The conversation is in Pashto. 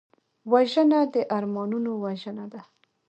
وژنه د ارمانونو وژنه ده